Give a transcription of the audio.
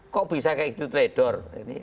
kok bisa kayak gitu trader